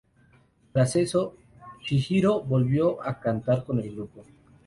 Tras eso, Chihiro volvió a cantar con el grupo.